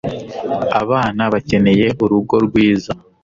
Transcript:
Abana bakeneye urugo rwiza.